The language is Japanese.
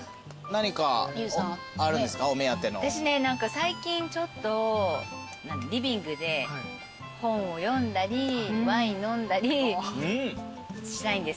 私ね最近ちょっとリビングで本を読んだりワイン飲んだりしたいんですけど。